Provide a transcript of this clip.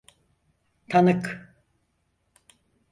Tanık…